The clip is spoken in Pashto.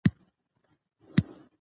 هغه څوک دی چي پر خلاف یې حکم سوی وي ؟